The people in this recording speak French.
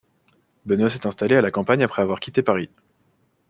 Benoît s'est installé à la campagne après avoir quitté Paris.